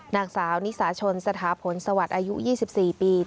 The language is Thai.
นางสาวนิสาชนสถาผลสวัสดิ์อายุ๒๔ปี